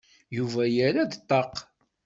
Yuba yerra-d ṭṭaq.